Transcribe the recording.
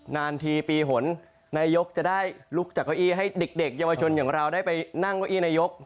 นาทีปีหนนายกจะได้ลุกจากเก้าอี้ให้เด็กเยาวชนอย่างเราได้ไปนั่งเก้าอี้นายก